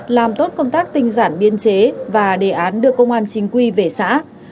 làm tốt công tác tinh giản biên chế và đề án đưa công an chính quy về xã